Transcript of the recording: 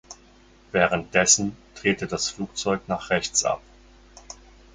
Währenddessen drehte das Flugzeug nach rechts ab.